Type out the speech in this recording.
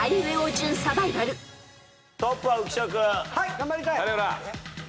頑張りたい。